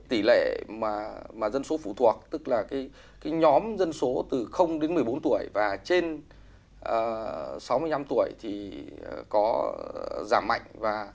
tỷ lệ dân số phụ thuộc tức là nhóm dân số từ đến một mươi bốn tuổi và trên sáu mươi năm tuổi có giảm mạnh